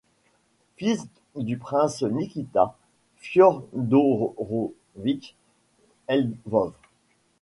Fils du prince Nikita Fiodorovitch Lvov.